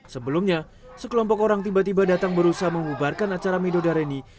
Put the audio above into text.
sebelumnya sekelompok orang tiba tiba datang berusaha mengubarkan acara mido dareni